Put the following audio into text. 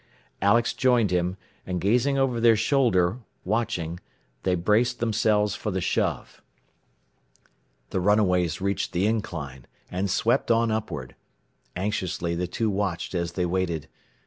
Alex joined him, and gazing over their shoulder, watching, they braced themselves for the shove. The runaways reached the incline, and swept on upward. Anxiously the two watched as they waited.